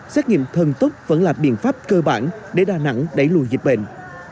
xét nghiệm thần tốc vẫn là biện pháp cơ bản để đà nẵng đẩy lùi dịch bệnh